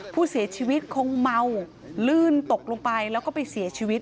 ผู้เสียชีวิตคงเมาลื่นตกลงไปแล้วก็ไปเสียชีวิต